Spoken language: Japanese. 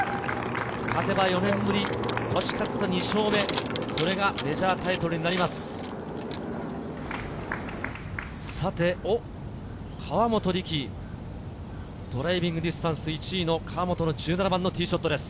勝てば４年ぶり、欲しかった２勝目、それがメジャータイトルになります。